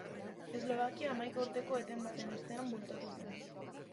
Eslovakia hamaika urteko eten baten ostean bueltatu zen.